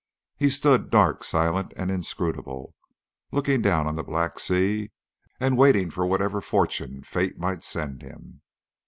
He stood, dark, silent, and inscrutable, looking down on the black sea, and waiting for whatever fortune Fate might send him.